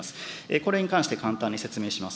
これに関して簡単に説明します。